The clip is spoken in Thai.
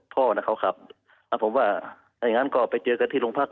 พ่อนะครับผมว่าถ้าอย่างงั้นก็ไปเจอกันที่โรงพัก